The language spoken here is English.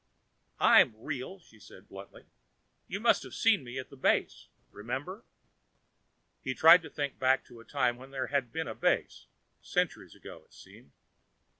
"I'm real," she said bluntly. "You must have seen me at the base. Remember?" He tried to think back to the time when there had been a base centuries ago, it seemed.